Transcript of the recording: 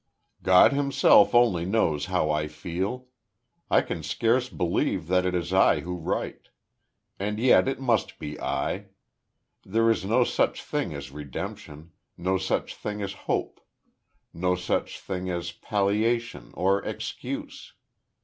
God himself only knows how I feel. I can scarce believe that it is I who write. And yet it must be I. There is no such thing as redemption no such thing as hope no such thing as palliation, or excuse.